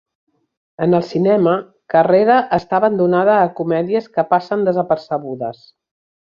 En el cinema, Carrera està abonada a comèdies que passen desapercebudes.